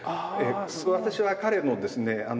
私は彼のですね